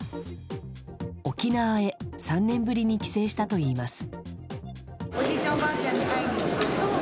沖縄へ３年ぶりに帰省したといいます。